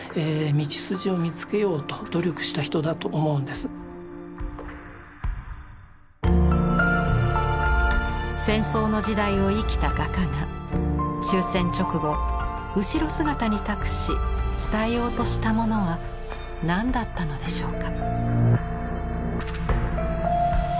非常に戦争の時代を生きた画家が終戦直後後ろ姿に託し伝えようとしたものは何だったのでしょうか。